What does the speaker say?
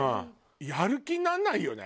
やる気にならないよね。